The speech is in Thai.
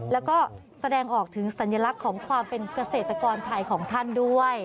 แล้วก็แสดงออกถึงสัญลักษณ์ของความเป็นเกษตรกรไทยของท่านด้วย